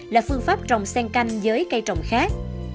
là phương pháp trồng sen canh với cây trồng khác